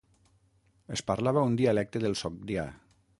Es parlava un dialecte del sogdià.